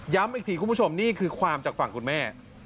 อีกทีคุณผู้ชมนี่คือความจากฝั่งคุณแม่